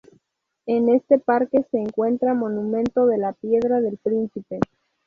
En este parque se encuentra monumento de la Piedra del Príncipe.